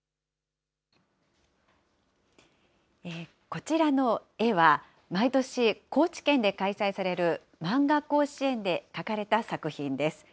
こちらの絵は、毎年、高知県で開催されるまんが甲子園で描かれた作品です。